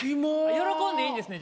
喜んでいいんですね？